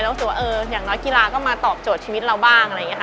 แล้วคิดว่าอย่างน้อยกีฬาก็มาตอบโจทย์ชีวิตเราบ้าง